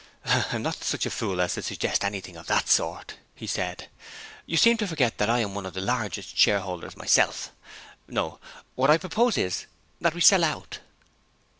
'I'm not such a fool as to suggest anything of that sort,' he said. 'You seem to forget that I am one of the largest shareholders myself. No. What I propose is that we Sell Out.'